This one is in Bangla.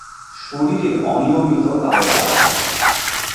শরীরে অনিয়মিত কালো দাগ আছে।